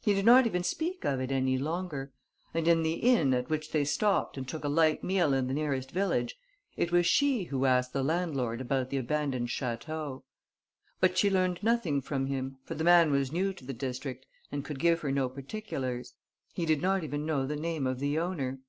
He did not even speak of it any longer; and, in the inn at which they stopped and took a light meal in the nearest village, it was she who asked the landlord about the abandoned château. But she learnt nothing from him, for the man was new to the district and could give her no particulars. He did not even know the name of the owner.